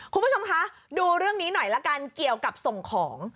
คุณผู้ชมคะดูเรื่องนี้หน่อยละกันเกี่ยวกับส่งของ